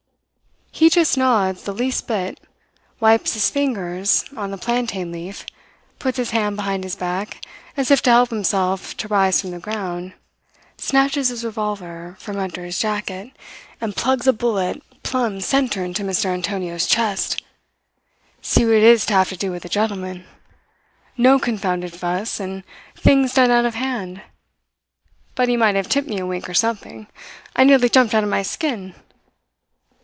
"He just nods the least bit, wipes his fingers on the plantain leaf, puts his hand behind his back, as if to help himself to rise from the ground, snatches his revolver from under his jacket and plugs a bullet plumb centre into Mr. Antonio's chest. See what it is to have to do with a gentleman. No confounded fuss, and things done out of hand. But he might have tipped me a wink or something. I nearly jumped out of my skin.